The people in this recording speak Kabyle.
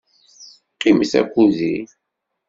Qqimet akked-i.